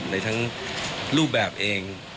ในทั้งรูปแบบเอง